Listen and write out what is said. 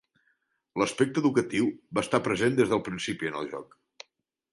L'aspecte educatiu va estar present des del principi en el joc.